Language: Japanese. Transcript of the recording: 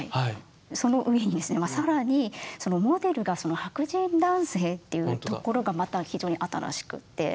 その上にですね更にそのモデルが白人男性っていうところがまた非常に新しくって。